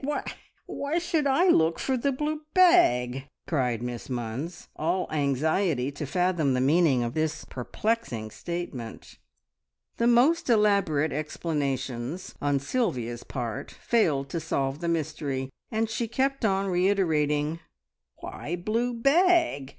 Why should I look for the blue bag?" cried Miss Munns, all anxiety to fathom the meaning of this perplexing statement. The most elaborate explanations on Sylvia's part failed to solve the mystery, and she kept on reiterating, "Why blue bag?"